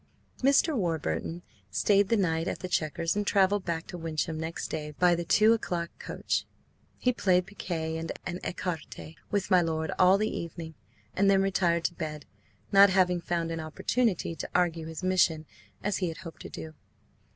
Mr. Warburton stayed the night at the Chequers and travelled back to Wyncham next day by the two o'clock coach. He played piquet and écarté with my lord all the evening, and then retired to bed, not having found an opportunity to argue his mission as he had hoped to do.